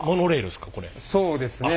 そうですね。